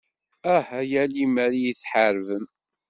Ah ya limer iyi-theṛṛbem.